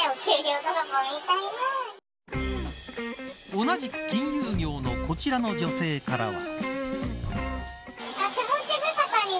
同じく金融業のこちらの女性からは。